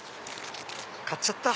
買っちゃった。